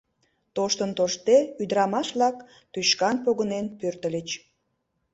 Тоштын-тоштде, ӱдырамаш-влак тӱшкан погынен пӧртыльыч.